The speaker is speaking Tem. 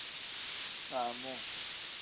Faamuu.